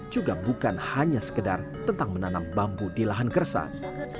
juga bukan hanya sekedar tentang menanam bambu di lahan kersang